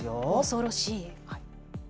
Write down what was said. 恐ろしい。